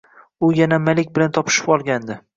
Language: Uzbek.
U yana Malik bilan topishib olgandi